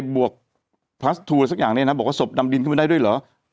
บอกว่าศพดำดินขึ้นมาได้ด้วยเหรอ